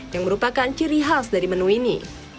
yang merupakan ciri khas dari menu ini